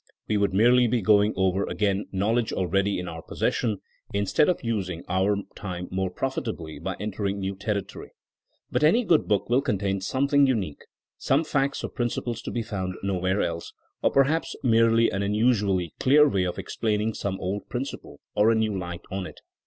We would merely be going over again knowledge already in our possession, instead of using our time more profitably by entering new territory. But any good book will contain something unique; some facts or principles to be found nowhere else; or perhaps merely an unusually clear way of explaining some old principle, or a new light on it.